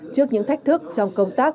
trước những thách thức trong công tác